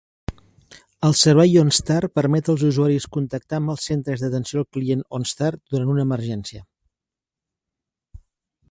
El servei OnStar permet als usuaris contactar amb els centres d"atenció al client OnStar durant una emergència.